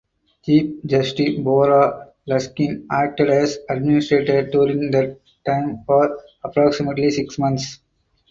Chief Justice Bora Laskin acted as administrator during that time for approximately six months.